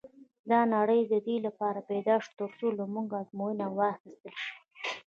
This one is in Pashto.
دا نړۍ د دې لپاره پيدا شوې تر څو له موږ ازموینه واخیستل شي.